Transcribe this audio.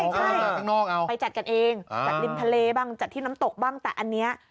ใช่ไปจัดกันเองจัดริมทะเลบ้างจัดที่น้ำตกบ้างแต่อันนี้